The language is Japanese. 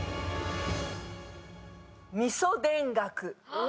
味噌田楽